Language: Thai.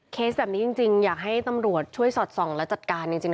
แบบนี้จริงอยากให้ตำรวจช่วยสอดส่องและจัดการจริง